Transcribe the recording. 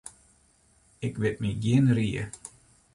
Ik wit my gjin rie.